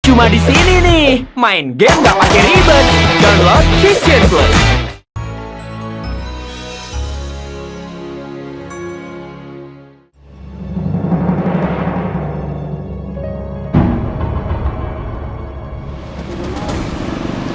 cuma di sini nih main game gak pake ribet download kitchen club